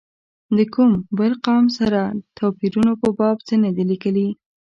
د کوم بل قوم سره توپیرونو په باب څه نه دي لیکلي.